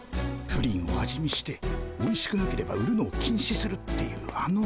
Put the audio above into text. プリンを味見しておいしくなければ売るのを禁止するっていうあの。